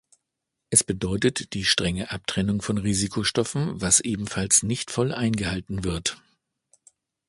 Es bedeutet die strenge Abtrennung von Risikostoffen, was ebenfalls nicht voll eingehalten wird.